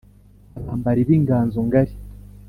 . Abambali b'inganzo ngali